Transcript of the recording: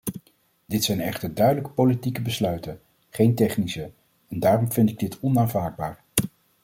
Dit zijn echter duidelijk politieke besluiten, geen technische, en daarom vind ik dit onaanvaardbaar.